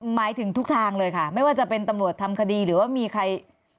หมายถึงทุกทางเลยค่ะไม่ว่าจะเป็นตำรวจทำคดีหรือว่ามีใคร